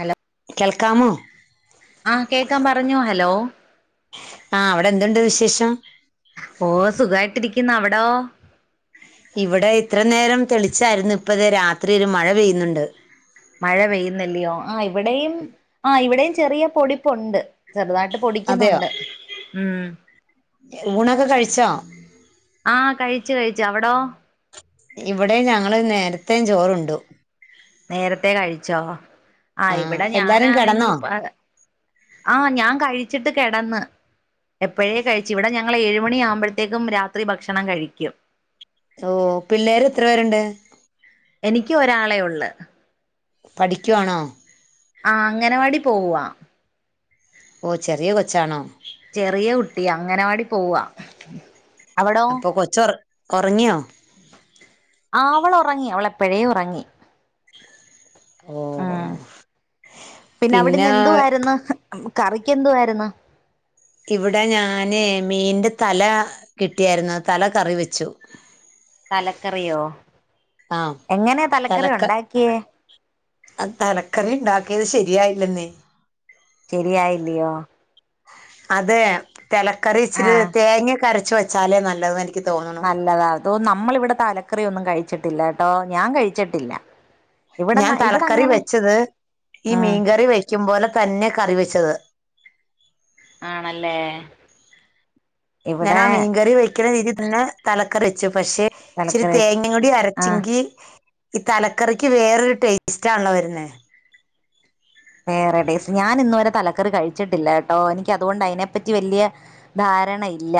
Hello കെൾക്കാമോ ആഹ് കേക്കാം പറഞ്ഞോ ഹലോ ആ അവിടെ എന്തുണ്ട് വിശേഷം ഓ സുഖായിട്ടിരിക്കുന്ന അവിടോ ഇവിടെ ഇത്ര നേരം തെളിച്ചായിരുന്നു ഇപ്പത് രാത്രി ഒരു മഴ പെയ്യുന്നുണ്ട് മഴ പെയ്യുന്നില്ലയോ ആ പുണ്ട് ചെറുതായിട്ട് അതെയോ പൊടിക്കുന്നുണ്ട് ഉം ഊണൊക്കെ കഴിച്ചോ ആഹ കഴിച്ചു കഴിച്ചു അവിടോ ഇവിടെ ഞങ്ങള് നേരത്തേ ചോറുണ്ടു നേരത്തെ കഴിച്ചോ ആ് ആ ഇവിടെ എല്ലാരും ഞാനാണെങ്കി കിടന്നോ ആഹ ഞാൻ കഴിച്ചിട്ട് കിടന്ന് എപ്പോഴേ കഴിച്ചു ഇവിടെ ഞങ്ങള് ഏഴുമണിയ ആകുമ്പോഴത്തേക്കും രാത്രി ഭക്ഷണം കഴിക്കും ഓ പിള്ളേര് എത്ര പേരുണ്ട് എനിക്ക് ഒരാളെ ഒള്ള് പഠിക്കുവാണോ ആ അങ്ങനവാടി പോവുവ ഓ ചെറിയ കൊച്ചാണോ അങ്ങനവാടി പോവാ അവിടോ അപ്പൊ കൊച്ചോറ് ഒറങ്ങ്യോ ആ അവൾ ഒറങ്ങി അവളെ എപ്പഴേ ഉറങ്ങി ഓ ഉം പിന്നെ അവിടെന്ന് എന്തുവായിരുന്നു കറിക്ക് എന്തുവായിരുന്നു. ഇവിടെ ഞാന് മീന്റെ തല കിട്ടിയായിരുന്നു തല കറി വെച്ചു ലക്കറിയോ ആഹ തലക്ക തലക്കറി ഉണ്ടാക്കിയത് ശരി യായില്ലെന്നേ ശരിയായില്ലയോ അതെ തലക്കറി ഇച്ചിരി ആഹ് തേങ്ങ യെകര വച്ച വെച്ചാലേ നല്ലതും എനിക്ക് നിക്ക് തോന്നുണു നല്ലതാ അതോ നമ്മളിവിടെ തലക്കറി ഒന്നും കഴിച്ചിട്ടില്ല ട്ടോ ഞാൻ കഴിച്ചിട്ടില്ല ഇവിടെ ഞാൻ ഇവിടെ തലക്കറി അങ്ങനെ വെച്ചത് ഈ ഉം മീൻകറി വയ്ക്കും പോലെ തന്നെ കറി വെച്ചത്. ആണല്ലേ ഞാൻ ഇവിടെ ആ മീൻകറി വെക്കുന്ന രീതിൽന്നെ തല കറെച്ചു പക്ഷെ ഇച്ചിരി തലക്കറി വെച്ച് തേങ്ങയും കൂടി ആഹ് അരച്ചെങ്കി ഈ തലക്കറിക്ക് വേറൊരു ടേസ്റ്റാണ് വരുന്നേ വേറെടേസ്റ്റ് ഞാൻ ഇന്ന് വരെ തലക്കറി കഴിച്ചിട്ടില്ല ട്ടോ എനിക്ക് അതുകൊണ്ട് അയിനെപ്പറ്റി വലിയ ധാരണയില്ല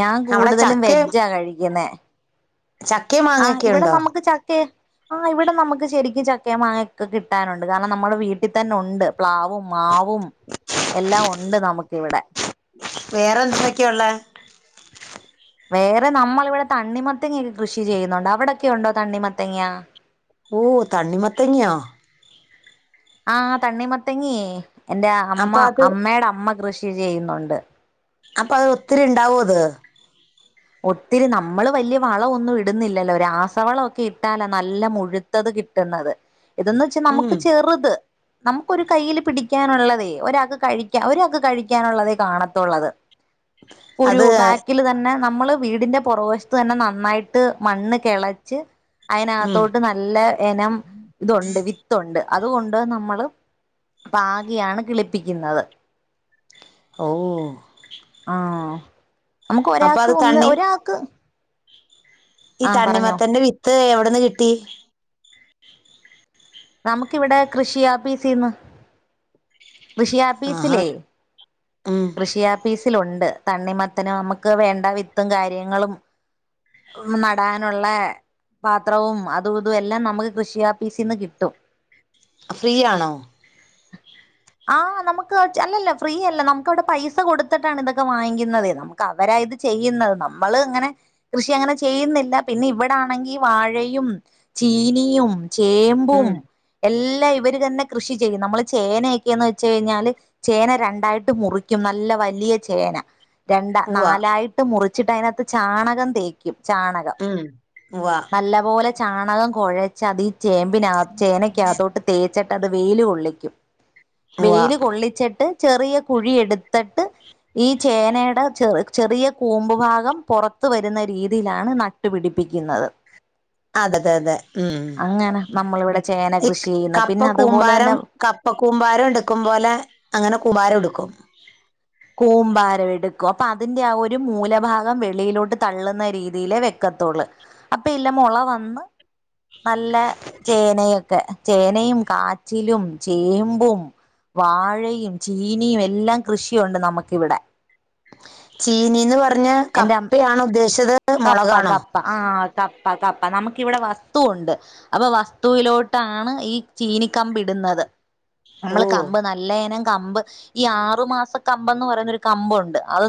ഞാൻ അവിടെ കൂടുതലും ചക്കയും വെജ്ജാകഴിക്കുന്നേ ചക്കയും ആഹ് മാങ്ങയൊക്കെ ഇവിടെ ഉണ്ടോ നമുക്ക് ചക്കേ ആ ഇവിടെ നമുക്ക് ശരിക്കും ചക്കയും മാങ്ങയൊക്കെ കിട്ടാറുണ്ട് കാരണം നമ്മടെ വീട്ടി തന്ന ഒണ്ട് പ്ലാവും മാവും എല്ലാം ഒണ്ട് നമുക്കിവിടെ വേറെ എന്തൊക്കെയാ ഉള്ളേ വേറെ നമ്മൾ ഇവിടെ തണ്ണിമത്തങ്ങക്കെ കൃഷി ചെയ്യുന്നുണ്ട് അവിടെക്കെ ഉണ്ടോ തണ്ണിമത്തങ്ങ ഓ തണ്ണിമത്തങ്ങയൊ ആഹ് തണ്ണിമത്തങ്ങേ എന്റെ അപ്പൊ അമ്മ അത് അമ്മേട അമ്മ കൃഷി ഷി ചെയ്യുന്നുണ്ട് അപ്പൊ അത് ഒത്തിരി ഉണ്ടാവോ അത് ഒത്തിരി നമ്മള് വല്യ വളവൊന്നും ഇടുന്നില്ലല്ലോ രാസവളൊക്കെ ഇട്ടാല നല്ല മുഴുത്തത് കിട്ടുന്നത് ഇതെന്ന് വെച്ചാ ഉം നമുക്ക് ചെറുത് നമുക്ക് ഒരു കൈയില് പിടിക്കാൻ ഒള്ളതെ ഒരാക്ക് കഴിക്ക ഒരാക്ക് കഴിക്കാനൊള്ളതേ കാണാത്തൊള്ളത് ഒരു അത് ബാക്കില് തന്നെ നമ്മള് വീടിന്റെ പുറകുവശത്തന്നെ നന്നായിട്ട് മണ്ണ് കേളച്ച് ഉം ആയിനാത്തോട്ട് നല്ല എനം ഇതുണ്ട് വിത്തുണ്ട് അതു ഉണ്ട് നമ്മള് പാഗിയാണ് കിളിപ്പിക്കുന്നത് ഓ ആ നമുക്ക് അപ്പൊ ഒരാക്ക് അത് ഒന്ന് തണ്ണി ഒരാക്ക് ഈ തണ്ണിമത്തൻ്റെ വിത്ത് എവി ടന്ന് കിട്ടി നമുക്കിവിടെ കൃഷിയാപീസിന്ന് കൃഷി ആഹാ ആപ്പിസിലെ ഉം കൃഷി ആപ്പീസ് ത്തിലുണ്ട് തണ്ണിമത്തനും, നമുക്ക് വേണ്ട വിത്തും, കാര്യങ്ങളും, നടാനുള്ള പാത്രവും, അതും ഇതും, എല്ലാം നമുക്ക് കൃഷി ആപ്പീസീന്ന് കിട്ടും. ഫ്രീയാണോ? ആ നമുക്ക് അല്ലല്ല ഫ്രീയല്ല നമുക്ക് അവിടെ പൈസ കൊടുത്തിട്ടാണ് ഇതൊക്കെ വാങ്ങിക്കുന്നതേ. നമുക്ക് അവരാ ഇത് ചെയ്യുന്നത് നമ്മള് ഇങ്ങനെ കൃഷി അങ്ങനെ ചെയ്യുന്നില്ല പിന്നെ ഇവടാണെങ്കി വാഴയും, ചീനിയും, ചേമ്പും ഉം എൽ ല്ലാ ഇവര് തന്നെ കൃഷി ചെയ്യും നമ്മള് ചേന യെന്ന് വെച്ച് കഴിഞ്ഞാല് ചേന രണ്ടായിട്ട് മുറിക്കും. നല്ല വലിയ ചേന. രണ്ട ഉവ്വ നാലായിട്ട് മുറി ച്ചിട്ടു അയിനകത്ത് ചാണകം തേക്കും. ചാണകം ഉം ഉവ്വ നല്ലപോലെ ചാണകം കുഴച്ച് അതി ചേമ്പിനാ ചേനയ്ക്കാത്തോട്ട് തേ ച്ചട്ട് അത് വെയില് കൊള്ളിക്കും. ഉവ്വ വെയില് കൊള്ളിച്ചട്ട് ചെറിയ കുഴിയെടുത്തട്ട് ഈ ചേനയ്ടാ ചെ - ചെറിയ കൂമ്പു ഭാഗം പുറത്തു വരുന്ന രീതിയിലാണ് നട്ടുപിടിപ്പിക്കുന്നത് അതെ തെ അതെ ഉം അങ്ങനെ നമ്മളിവിടെ ചേന ഇ കൃഷി ചെയ്യുന്ന കപ്പ പിന്നെ അതുപോലെ തന്നെ കൂമ്പാരം കപ്പ കൂമ്പാരം എടുത് ക്കും പോലെ അങ്ങനെ കുമാരം എടുക്കും കൂമ്പാരം എടുക്കും അപ്പൊ അതിന്റെ ആ ഒരു മൂലഭാഗം വെളിയിലോട്ട് തള്ളുന്ന രീതിയിലെ വെക്കത്തോള് അപ്പൊ ഇല്ല മുള വന്ന് നല്ല ചേനയൊക്കെ ചേനയും കാച്ചിലും ചേമ്പും വാഴയും ചീനിയും എല്ലാം കൃഷി കിയുണ്ട് നമുക്കി വിടെ ചീനി ന്നു പറഞ്ഞ എന്റെ കപ്പയാണോ ഉദ്ദേശിച്ചത് കപ്പ മുളകാണോ കപ്പ ആ കപ്പ കപ്പ നമുക്കി വിടെ വസ്തുണ്ട് അപ്പൊ വസ്തുവിലോട്ടാണ് ഈ ചീനി കമ്പിടുന്നത് ഓ നമ്മള് കമ്പ് നല്ലേനം കമ്പ് ഈ ആറു മാസ കമ്പംന്ന് പറയുന്നൊരു കമ്പുണ്ട് അത്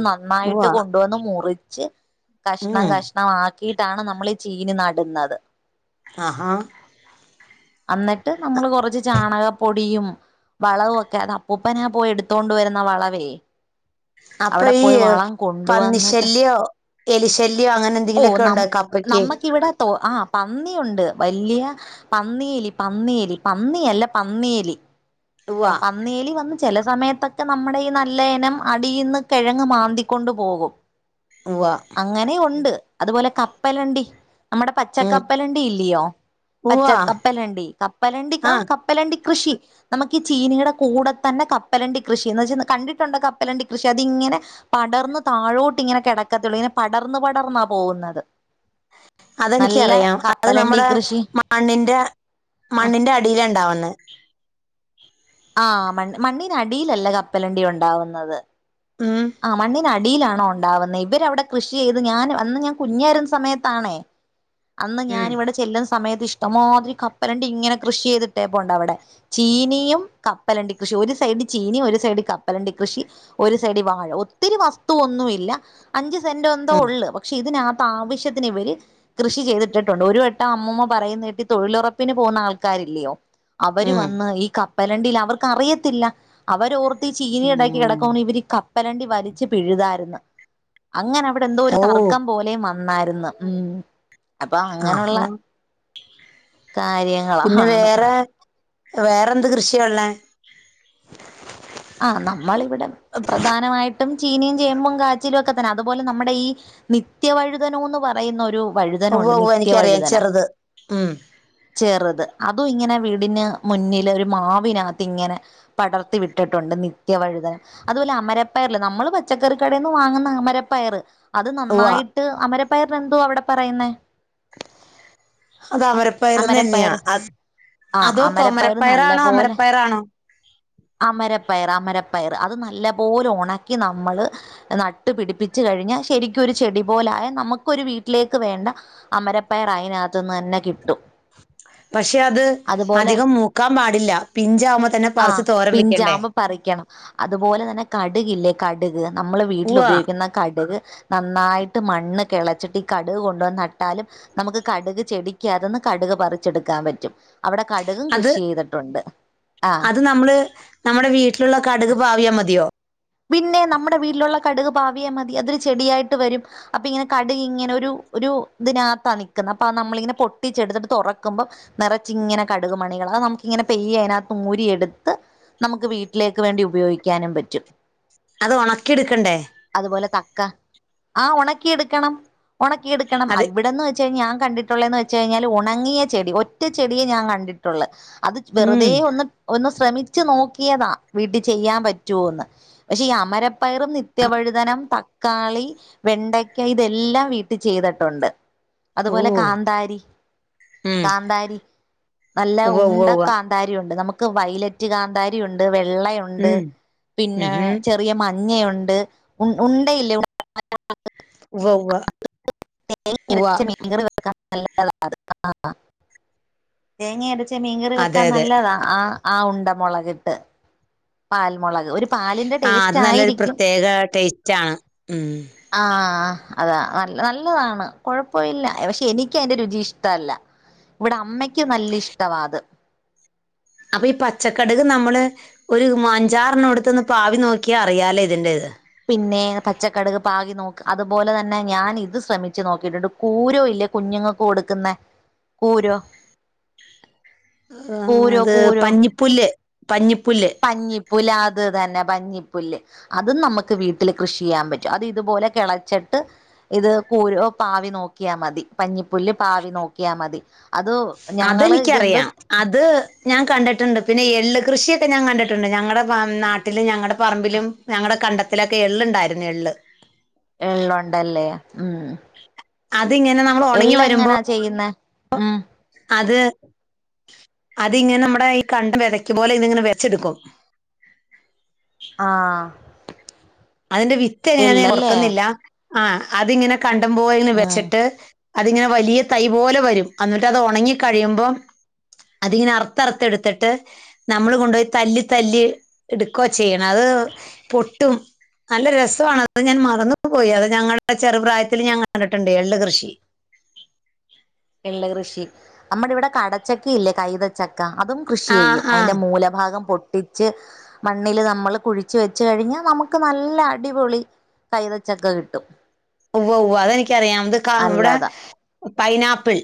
ഉവ്വ നന്നായിട്ട് കൊണ്ടുവന്ന് മുറി ച് കഷ്ടണം ഉം കഷ്ടണം ആ ക്കിയിട്ടാണ് നമ്മൾ ചീന് നടുന്നത് അ ആ അന്നിട്ട് നമ്മള് കുറച്ച് ചാണകപ്പൊടിയും വളവും ഒക്കെ അത് അപ്പൂപ്പനാ പോയി എടുത്തോണ്ട് വരുന്ന വളവേ അപ്പൊ അവിടെ ഈ പോയി വളം കൊണ്ടുവന്നിട്ട് പന്നിശല്യോ എലിശല് ഓ നമ് നമ്മക്കിവിടെ തോ ആ പന്നിയുണ്ട് വല്യ പന്നിലി പന്നേലി പന്നി അല്ല പന്നേലി ഉവ്വ പന്നേലി വന്ന് ചെല സമയത്തൊക്കെ നമ്മുടെ ഈ നല്ല ഇനം അടിയിന്ന് കിഴങ്ങ് മാന്തികൊണ്ട് പോകും ഉവ്വ അങ്ങനെ ഉണ്ട് അതുപോലെ കപ്പലണ്ടി നമ്മുടെ ഉം പച്ചക്കപ്പലണ്ടി ഇല്ലയോ പച്ച ഉവ്വ കപ്പലണ്ടി കപ്പലണ്ടി ആ കപ്പലണ്ടി കൃഷി നമുക്ക് ഈ ചീനിയുടെ കൂടെ തന്നെ കപ്പലണ്ടി കൃഷി എന്ന് വെച്ച കണ്ടിട്ടുണ്ട് കപ്പലണ്ടി കൃഷി അതിങ്ങനെ പടർന്നു താഴോട്ട് ഇങ്ങനെ കിടക്കത്തുള്ളൂ ഇങ്ങനെ പടർന്നു പടർന്നാ പോകുന്നത് അതെനിക്ക്‌ നല്ല അറിയാം അത് കപ്പലണ്ടി നമ്മുടെ കൃഷി മണ്ണിന്റെ മണ്ണിന്റെ അടിയില ഉണ്ടാവണം എ ആ മൺ മണ്ണിനടിയിലല്ല കപ്പലണ്ടി ഉണ്ടാവുന്നത് ഉം ആ മണ്ണിനാട് ടിയിലാണോ ഉണ്ടാവുനെ ഇവരവിടെ കൃഷി ചെയ്ത് ഞാൻ അന്ന് ഞാൻ കുഞ്ഞാരുന്ന സമയത്താണേ അന്ന് ഉം ഞാനിവിടെ ചെല്ല സമയത്ത് ഇഷ്ടംമാതിരി കപ്പലണ്ടി ഇങ്ങനെ കൃഷി ചെയ്തിട്ടേപ്പൊണ്ടവിടെ ചീനിയും കപ്പലണ്ടി കൃഷി ഒരു സൈഡ് ചീനി ഒരു സൈഡ് കപ്പലണ്ടി കൃഷി ഒരു സൈഡ് വാഴ് ഒത്തിരി വസ്തുവൊന്നു ഇല്ല അഞ്ച് സെൻ്റോ എന്തോ ഉം ഒള്ള് പക്ഷെ ഇതിനകത്ത് ആവശ്യത്തിന് ഇവര് കൃഷി ചെയ്തിട്ടിട്ടുണ്ട് ഒരു വട്ടം അമ്മമ്മ പറയുന്ന കേട്ടി തൊഴിലുറപ്പിന് പോവുന്ന ആൾക്കാരില്ല്യോ അവര് ഉം വന്ന് ഈ ക വലണ്ടില്ല അവർക്ക് അറിയത്തില്ല അവരോർ ചീനിണ്ടാക്കി ഉം. കിടക്കാണി ഇവരിക- കപ്പലണ്ടി വലിച്ചു പിഴുതാർന്ന് അങ്ങനെ അവിടെ എന്തോ ഒരു ഓ തർക്കം പോലേം വ വന്നായിര്ന്ന് ഉ അപ്പൊ അങ്ങനൊള്ള ആഹാ പിന്നെ കാര്യങ്ങളാണ് വേറെ എന്ത് കൃഷിയ ഒള്ളെ ആ് നമ്മളിവിടെ പ്രധാനമായിട്ടും ചീനയും ചേമ്പും കാച്ചിലും ഒക്കെ തന്നെ അതുപോലെ നമ്മുടെ ഈ നിത്യവഴുതനോന്ന് പറയുന്നൊ ഒരു- ഉവ്വ വഴുതനുണ്ട് ഉവ്വ എനിക്കറിയാം നിത്യവഴുതനം ചെറുത് ഉം ചെറ്ത് അതും ഇങ്ങനെ വീടിന് മുന്നിൽ ഒരു മാവിനാത്ത് ഇങ്ങനെ പടർത്തി വിട്ട് ഇട്ടിട്ടുണ്ട് നിത്യവഴുതനം അതുപോലെ അമരപ്പയർല് നമ്മള് പച്ചക്കറിക്കടേന്ന് വാങ്ങുന്ന അമരപ്പയറ് അത് ഉവ്വ നന്നായിട്ട് അമര- പയറിനെന്തുവ അവിടെ പറയുന്നേ അത് അമരപ്പയർന്ന് തന്നെയാ അമരപ്പയറ് അ ആഹ് അതോ അമരപ്പയറ് നല്ല തൊമരപ്പയറാണോ പോലെ അമരപ്പയറാണോ അമരപ്പയർ അമരപ്പയർ അത് നല്ല പോലെ ഒണക്കി നമ്മള് നട്ടു പിടിപ്പിച്ച് കഴിഞ്ഞാൽ ശരിക്കൊരു ചെടി പോലായാൽ നമുക്കൊരു വീട്ടിലേക്ക് വേണ്ട അമരപ്പയറ് അതിനകത്തുനിന്ന് തന്നെ കിട്ടും പക്ഷേ അത് അതുപോലെ അധികം മൂക്കാൻ പാടില്ല പിഞ്ചാവുമ്പൊതന്നെ പറിച്ച് തോര- പിൻചാമ്പം പറിക്കണം അതുപോലെ തന്നെ കടുകില്ലേ കട്- നമ്മള് വീട്ടിൽ ഉവ്വ ഉപയോഗിക്കുന്ന കടുക് നന്നായിട്ട് മണ്ണ് കെളച്ചിട്ട് ഈ കടുക് കൊണ്ടുവന്ന് നട്ടാലും നമുക്ക് കടുക് ചെടിക്കാതെന്ന് കടുക് പറിച്ചെടുക്കാൻ പറ്റും അവിടെ കടുകും അത് കൃഷിചെയ്തിട്ടുണ്ട് ആഹ് അത് നമ്മള് നമ്മുടെ വീട്ടിലുള്ള കടുക് പാവിയ മതിയോ പിന്നെ നമ്മുടെ വീട്ടിലുള്ള കടുക് പാവിയ മതി അതൊരു ചെടിയായിട്ട് വരും അപ്പൊ ഇങ്ങനെ കടുക് ഇങ്ങനെ ഒരു ഒരു ഇതിനാത്താ നിൽക്കുന്നത് അപ്പൊ നമ്മളിങ്ങനെ പൊട്ടിച്ചെടുത്തിട്ട് തുറക്കമ്പം നിറച്ചിങ്ങനെ കടുക് മണികൾ അത് നമുക്കിങ്ങനെ പെയ്യ അതിനകത്ത് ഊരി എടുത്ത് നമുക്ക് വീട്ടിലേക്ക് വേണ്ടി ഉപയോഗിക്കാനും പറ്റും അത് ഉണക്കിയെടുക്കണ്ടേ അതുപോലെ കക്ക ആഹ് ഒണക്കി എടുക്കണം ഒണക്കിയെടുക്കണം അത് ഇവിടെന്ന് വെച്ചു കഴിഞ്ഞാൽ കണ്ടിട്ടുള്ളേന്ന് വെച്ച്കഴിഞ്ഞാൽ ഒണങ്ങിയ ചെടി ഒറ്റ ചെടിയെ ഞാൻ കണ്ടിട്ടൊള്ളൂ അത് ഉം വെറുതെ ഒന്ന് ഒന്ന് ശ്രമിച്ചു നോക്കിയതാ വീട്ടിൽ ചെയ്യാൻ പറ്റുവോന്ന് പക്ഷെ ഈ അമരപ്പയറും നിത്യവഴുതനം തക്കാളി വെണ്ടയ്ക്ക ഇതെല്ലാം വീട്ടി ചെയ്തിട്ടൊണ്ട് ഓ അതുപോലെ കാന്താരി ഉം കാന്താരി നല്ല ഉവ്വ ഉവ്വ ഉണ്ട ഉവ്വ കാന്താരി ഒണ്ട് നമു വൈലറ്റ് കാന്താരി ഉണ്ട് വെ ള്ള ഉണ്ട് ഉം പിന്നെ ഉഹു റിയ മഞ്ഞയുണ്ട് ഉ ഉണ്ടയില്ലേ [unintelligible] ഉവ്വ് ഉവ്വ് തേങ്ങ അരച്ച് മീൻ കറി വെക്കാ നല്ലതാ അത് ആ ആ തേങ്ങ അര ച്ച മീൻകറി അതെ വെക്കാൻ അതെ നല്ലതാ ആ ആ ഉണ്ട മൊളകിട്ട് പാൽ ആ അത് നല്ലൊരു പ്രത്യേക ടേസ്റ്റ് ആണ് ഉമ് ആഹ് അതാ നൽ നല്ലതാണ് കൊഴപ്പയില്ല പക്ഷെ എനിക്ക് അതിന്റെ രുചി ഇഷ്ടവല്ല ഇവിടെ അമ്മയ്ക്കും നല്ല ഇഷ്ടവാ അത് അപ്പൊ ഈ പച്ചകട്ക് നമ്മൾ ഒര് മ അഞ്ചാറെണ്ണം എടുത്തൊന്ന് പാവി നോക്കിയാ അറിയാലേ ഇതിന്റേ ഇത് പിന്നെ പച്ചക്കടുക് പാകി നോക്ക് അതുപോലെ തന്നെ ഞാൻ ഇത് ശ്രമിച്ചു നോക്കിട്ടുണ്ട് കൂരോ ഇല്ലേ കുഞ്ഞുങ്ങൾക്ക് കൊട്ക്ക്‌ന്നെ കൂരോ ആ കൂരോ അത് കൂരോ പഞ്ഞിപ്പുല്ല് പഞ്ഞിപ്പുല്ല് പുല്ലാ അത് തന്നെ പഞ്ഞിപ്പുല്ല് അതും നമുക്ക് വീട്ടില് കൃഷി ചെയ്യാൻ പറ്റും അത് ഇതുപോലെ കെളച്ചിട്ട് ഇത് കുരോ പാവി നോക്കിയാൽ മതി പഞ്ഞിപ്പുല്ല് പാവി നോക്കിയാൽ മതി അത് ഞങ്ങള് ഇതെന്തോ അതെനിക്കറിയാം അത് ഞാൻ കണ്ടിട്ടുണ്ട് പിന്നെ എള്ള് കൃഷിയൊ ക്കെ ഞാൻ കണ്ടിട്ടുണ്ട് ഞങ്ങടെ പം നാട്ടിലും ഞങ്ങളുടെ പറമ്പിലും ഞങ്ങടെ കണ്ടത്തിലൊക്കെ എള്ള് ഇണ്ടായിരുന്നു എള്ള് എള്ളുണ്ട് അല്ലേ ഉം ത് ഇങ്ങനെ നമ്മൾ ഒണങ്ങി എള്ള് വരുമ്പോ എങ്ങനാ ചെയ്യുന്നേ ഉം അത് അതിങ്ങനെ നമ്മുടെ ഈ കണ്ടം വെതക്കും പോലെ ഇത് ഇങ്ങനെ വെത്ച്ച് ഇട്ക്കും ആ അതിന്റെ വിത്ത് എങ്ങനെന്ന് ഞാൻ ഓർക്ക്‌ന്നില്ല ആ അതിങ്ങനെ കണ്ടം പോലെ ഇങ്ങനെ ഉം വെച്ച്ട്ട് അതിങ്ങനെ വലിയ തൈ പോലെ വരും അന്നിട്ട് അത് ഒണങ്ങി കഴിയുമ്പം അതിങ്ങനെ അറുത്ത്റുത്തെ എടുത്തിട്ട് നമ്മൾ കൊണ്ടുപോയി തല്ലി തല്ലി ഇട്ക്കുവാ ചെയ്യ്ണേ അത് പൊട്ടും നല്ല രസവാണ് അത് ഞാൻ മറന്ന് പോയി അത് ഞങ്ങളുടെ ചെറുപ്രായത്തിൽ ഞാൻ കണ്ടിട്ട്ണ്ട് എള്ള്കൃഷി എള്ള് കൃഷി നമ്മടെ ഇവിടെ കടച്ചക്ക ഇല്ലേ കൈതച്ചക്ക ക്ക അതും കൃഷി ആ ചെയ്യും ആ അതിന്റെ മൂലഭാഗം പൊ കട്ടിച്ച് മണ്ണില് നമ്മൾ കുഴിച്ച് വെച്ച് കഴിഞ്ഞാ നമുക്ക് നല്ല അടിപൊളി കൈതച്ചക്ക കിട്ടും ഉവ്വ് ഉവ്വ് അതെനിക്ക് അറിയാ ഇത് ക ഇവ്ടെ അല്ലതാ പൈനാപ്പിൾ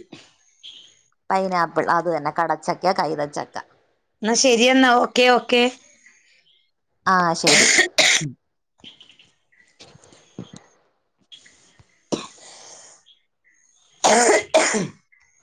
പൈനാപ്പിൾ അത് തന്നെ കടച്ചക്ക കൈതച്ചക്ക എന്ന ശെരിയെന്നാ ഓക്കേ ഒക്കെ ആഹ് ശരി [inaudible]